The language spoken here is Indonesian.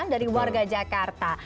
dari warga jakarta